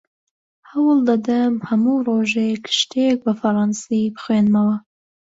هەوڵ دەدەم هەموو ڕۆژێک شتێک بە فەڕەنسی بخوێنمەوە.